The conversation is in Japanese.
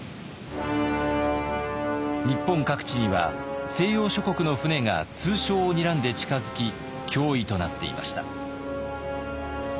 日本各地には西洋諸国の船が通商をにらんで近づき脅威となっていました。